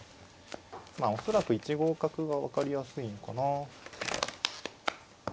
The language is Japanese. まあ恐らく１五角が分かりやすいのかな。